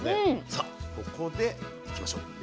さあここでいきましょう。